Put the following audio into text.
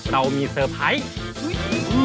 เรามีเซอร์ไพรส์